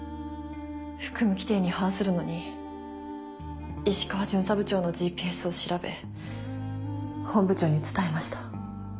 服務規定に反するのに石川巡査部長のＧＰＳを調べ本部長に伝えました。